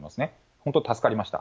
本当、助かりました。